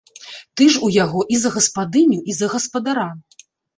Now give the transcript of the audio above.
Ты ж у яго і за гаспадыню і за гаспадара!